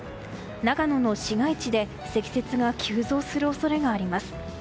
長野の市街地で積雪が急増する恐れがあります。